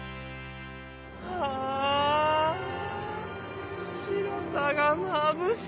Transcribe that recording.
はあ。